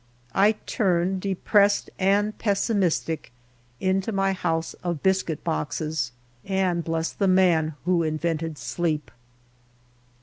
I turn, depressed and pessi mistic, into my house of biscuit boxes, and bless the man who invented sleep.